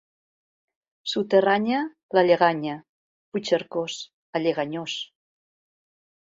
Suterranya, la lleganya. Puigcercós, el lleganyós.